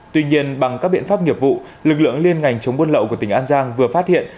tuy nhiên bằng các biện pháp nghiệp vụ lực lượng liên ngành chống buôn lậu của tỉnh an giang vừa phát hiện